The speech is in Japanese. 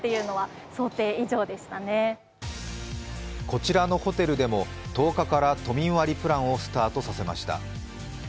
こちらのホテルでも１０日から都民割プランをスタートさせました。